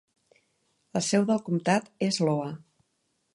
La seu del comtat és Loa.